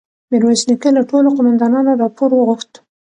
ميرويس نيکه له ټولو قوماندانانو راپور وغوښت.